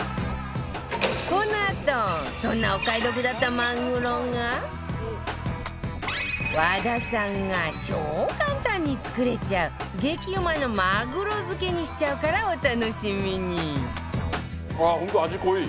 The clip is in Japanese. このあと、そんなお買い得だったマグロが和田さんが、超簡単に作れちゃう激うまのマグロ漬けにしちゃうから、お楽しみに本当だ、味濃い！